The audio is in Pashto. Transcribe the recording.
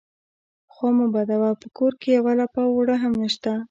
_خوا مه بدوه، په کور کې يوه لپه اوړه هم نشته.